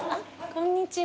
こんにちは。